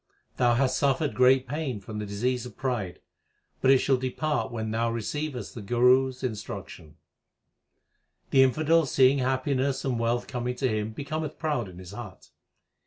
Thou hast suffered great pain from the disease of pride ; but it shall depart when thou receivest the Guru s in struction. The infidel seeing happiness and wealth coming to him becometh proud in his heart.